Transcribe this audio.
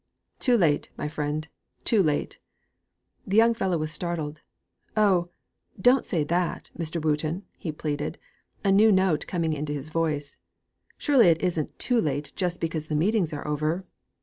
'Too late, my friend, too late!' The young fellow was startled. 'Oh, don't say that, Mr. Wooton!' he pleaded, a new note coming into his voice. 'Surely it isn't too late just because the meetings are over?'